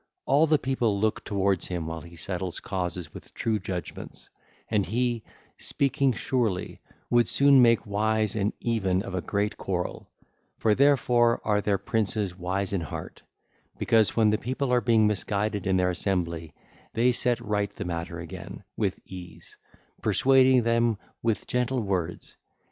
All the people look towards him while he settles causes with true judgements: and he, speaking surely, would soon make wise end even of a great quarrel; for therefore are there princes wise in heart, because when the people are being misguided in their assembly, they set right the matter again with ease, persuading them with gentle words.